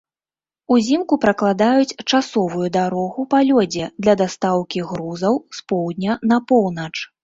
Узімку пракладаюць часавую дарогу па лёдзе для дастаўкі грузаў з поўдня на поўнач.